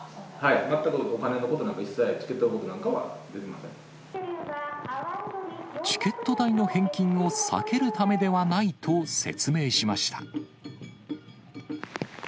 全く、お金のことなんか一切、チケットのことなんかは出てませチケット代の返金を避けるためではないと説明しました。